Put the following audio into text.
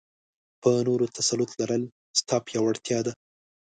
په نورو تسلط لرل؛ ستا پياوړتيا ده.